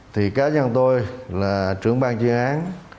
thì cá nhân tôi là trưởng ban chuyên án